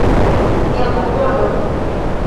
Mia popolo!